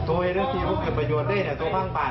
เว้ยนักศีรภุมประโยชน์ด้วยเนี่ยโทษฟังปัน